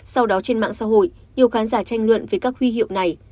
sau đó trên mạng xã hội nhiều khán giả tranh luận về các huy hiệu này